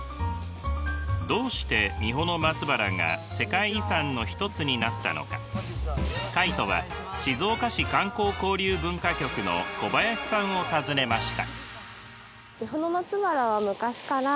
どうして三保松原が世界遺産の一つになったのかカイトは静岡市観光交流文化局の小林さんを訪ねました。